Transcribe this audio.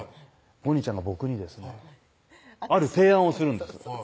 ゴニちゃんが僕にですねある提案をするんですよ